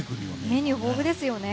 メニュー、豊富ですよね。